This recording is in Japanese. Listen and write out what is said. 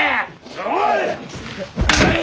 おい！